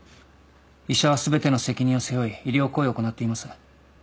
医者は全ての責任を背負い医療行為を行っています。